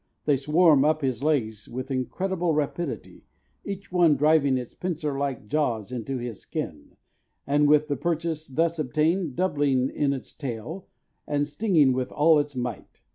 They swarm up his legs with incredible rapidity, each one driving its pincer like jaws into his skin, and with the purchase thus obtained doubling in its tail, and stinging with all its might.